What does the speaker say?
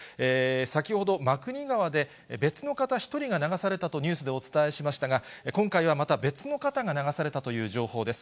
先ほど、真国川で別の方１人が流されたとニュースでお伝えしましたが、今回はまた別の方が流されたという情報です。